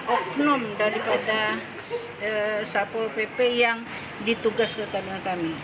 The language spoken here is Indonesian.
oknum daripada satpol pp yang ditugas kota batam